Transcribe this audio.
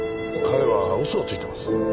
彼は嘘をついています。